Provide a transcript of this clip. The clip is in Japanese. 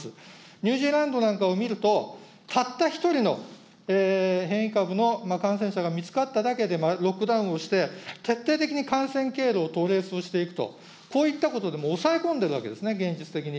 ニュージーランドなんかを見ると、たった一人の変異株の感染者が見つかっただけでロックダウンをして、徹底的に感染経路をトレースしていくと、こういったことで抑え込んでるわけですね、現実的に。